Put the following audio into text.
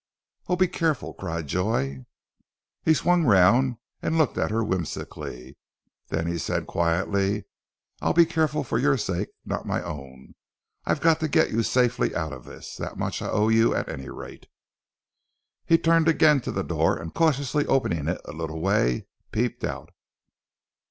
"Oh, be careful!" cried Joy. He swung around and looked at her whimsically, then he said quietly, "I'll be careful for your sake, not my own. I've got to get you safely out of this. That much I owe you at any rate." He turned again to the door and cautiously opening it a little way, peeped out.